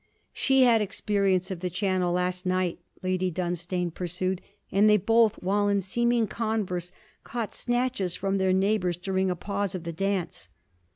'She had experience of the Channel last night,' Lady Dunstane pursued, and they both, while in seeming converse, caught snatches from their neighbours, during a pause of the dance.